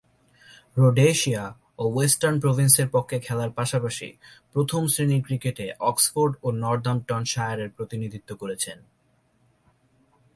Rhodesia ও Western প্রভিন্সের পক্ষে খেলার পাশাপাশি প্রথম-শ্রেণীর ক্রিকেটে অক্সফোর্ড ও নর্দাম্পটনশায়ারের প্রতিনিধিত্ব করেছেন।